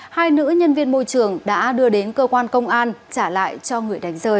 hai nữ nhân viên môi trường đã đưa đến cơ quan công an trả lại cho người đánh rơi